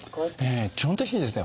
基本的にですね